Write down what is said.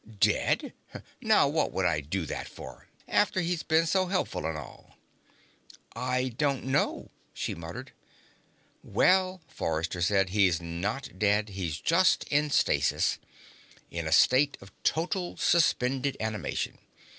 "Dead? Now what would I do that for, after he's been so helpful and all?" "I don't know," she muttered. "Well," Forrester said, "he's not dead. He's just in stasis in a state of totally suspended animation.